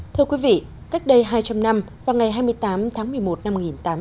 thưa quý vị cách đây hai trăm linh năm vào ngày hai mươi tám tháng một mươi một năm một nghìn tám trăm linh